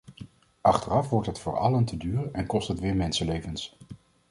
Achteraf wordt het voor allen te duur en kost het weer mensenlevens.